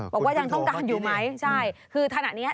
บอกว่ายังต้องการอยู่ไหมใช่คือขณะเนี้ย